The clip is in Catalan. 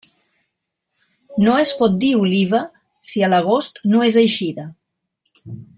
No es pot dir oliva si a l'agost no és eixida.